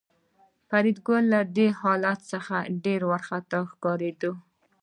فریدګل له دې حالت څخه ډېر وارخطا ښکارېده